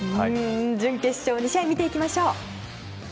準決勝２試合見ていきましょう。